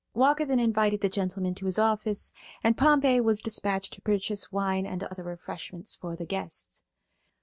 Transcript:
Walker then invited the gentlemen to his office, and Pompey was dispatched to purchase wine and other refreshments for the guests.